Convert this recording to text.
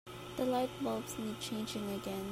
The lightbulbs need changing again.